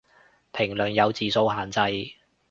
評論有字數限制